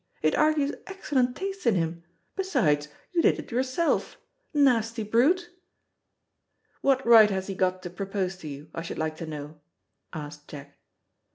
"It argues excellent taste in him. Besides, you did it yourself. Nasty brute!" "What right has he got to propose to you, I should like to know?" asked Jack.